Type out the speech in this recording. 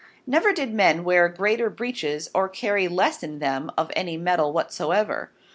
Never did Men wear greater Breeches, or carry less in them of any Mettle whatsoever.